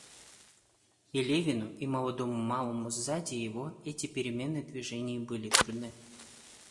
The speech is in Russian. И Левину и молодому малому сзади его эти перемены движений были трудны.